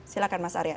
silahkan mas arya